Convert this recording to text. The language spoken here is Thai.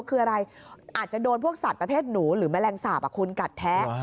คืออะไรอาจจะโดนพวกสัตว์ประเภทหนูหรือแมลงสาปคุณกัดแท้